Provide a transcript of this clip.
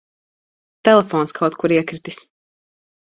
Telefons kaut kur iekritis.